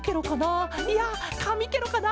いやかみケロかな？